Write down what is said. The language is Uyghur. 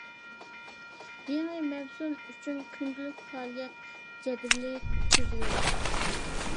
يېڭى مەۋسۇم ئۈچۈن كۈندىلىك پائالىيەت جەدۋىلى تۈزىۋېلىڭ.